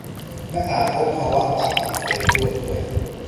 และอาจพบภาวะตับอักเสบร่วมด้วย